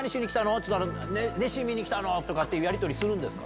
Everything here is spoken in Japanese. っつったら「ネッシー見に来たの」とかってやりとりするんですか？